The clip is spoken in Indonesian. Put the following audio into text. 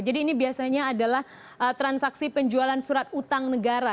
jadi ini biasanya adalah transaksi penjualan surat utang negara